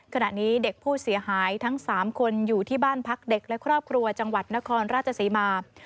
ขณะนี้เด็กผู้เสียหายทั้ง๓คนอยู่ที่บ้านพักเด็กและครอบครัวจังหวัดนครราชศรีมา